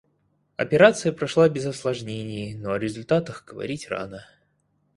Операция прошла без осложнений, но о результатах говорить рано.